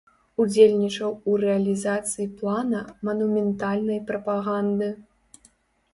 Удзельнічаў у рэалізацыі плана манументальнай прапаганды.